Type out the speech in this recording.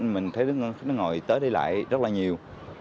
mình thấy nước nó ngồi tới đây lại rất là nhiều